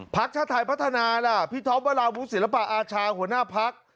พลักษณ์ชาติไทยพัฒนาพี่ท้อมว่าราวุศิลปะอาชาหัวหน้าพลักษณ์